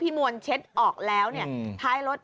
มวลเช็ดออกแล้วท้ายรถ